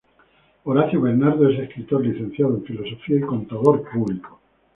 Horacio Bernardo es escritor, licenciado en Filosofía y contador público.